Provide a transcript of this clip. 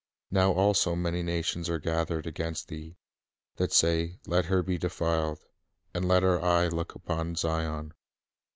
Now also many nations are gathered against thee, that say, Let her be defiled, and let our eye look upon Zion.